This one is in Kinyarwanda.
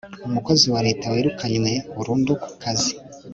umukozi wa leta wirukanywe burunduku kazi